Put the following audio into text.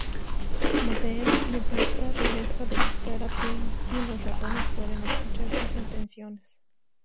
Madame Medusa regresa de buscar a Penny, y los ratones pueden escuchar sus intenciones.